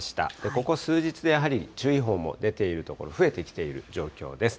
ここ数日でやはり注意報も出ている所、増えてきている状況です。